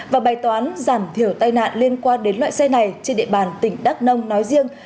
và bài toán giảm thiểu tai nạn liên quan đến loại xe này trên địa bàn tỉnh đắk nông nói riêng